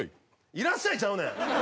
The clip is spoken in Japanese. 「いらっしゃい」ちゃうねん。